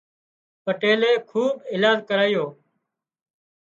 پٽيلي کوۮ ايلاز ڪرايو